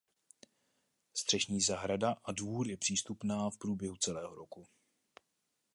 Střešní zahrada a dvůr je přístupná v průběhu celého roku.